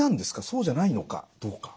そうじゃないのかどうか。